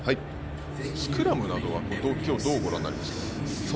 スクラムなどは今日、どうご覧になりますか。